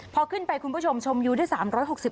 พอขึ้นไปคุณผู้ชมชมยูได้๓๖๐